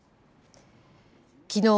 きのう